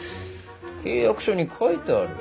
契約書に書いてある。